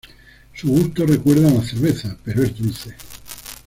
Su gusto recuerda a la cerveza, pero es dulce.